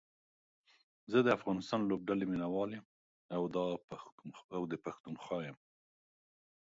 زه دا افغانستان لوبډلې ميناوال يم او دا پښتونخوا يم